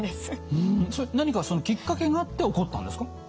それその何かきっかけがあって起こったんですか？